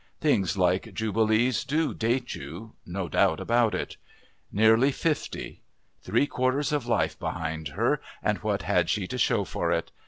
Things like Jubilees do date you no doubt about it. Nearly fifty. Three quarters of life behind her and what had she to show for it?